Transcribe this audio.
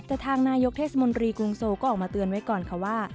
แต่ทางนายกเทศมนตรีกรุงโซก็ออกมาเตือนไว้ก่อนค่ะว่า